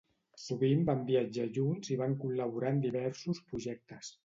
Sovint van viatjar junts i van col·laborar en diversos projectes.